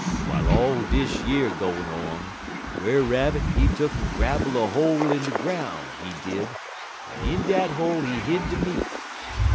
"W'iles all dish yer gwine on, Brer Rabbit he tuck'n grabble a hole in de groun', he did, en in dat hole he hid de meat.